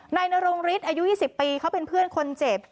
นายนรงฤทธิ์อายุ๒๐ปีเขาเป็นเพื่อนคนเจ็บ